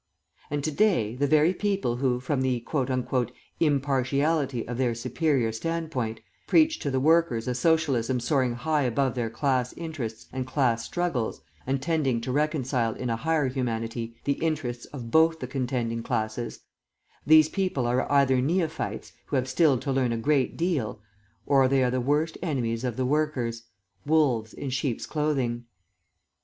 And to day, the very people who, from the "impartiality" of their superior standpoint, preach to the workers a Socialism soaring high above their class interests and class struggles, and tending to reconcile in a higher humanity the interests of both the contending classes these people are either neophytes, who have still to learn a great deal, or they are the worst enemies of the workers, wolves in sheeps' clothing.